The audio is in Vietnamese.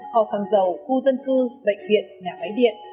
hò sàng dầu khu dân cư bệnh viện nhà máy điện